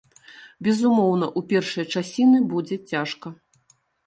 Безумоўна, у першыя часіны будзе цяжка.